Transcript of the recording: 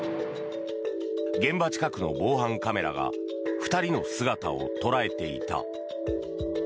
現場近くの防犯カメラが２人の姿を捉えていた。